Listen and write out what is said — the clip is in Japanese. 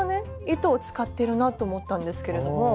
糸を使ってるなと思ったんですけれども。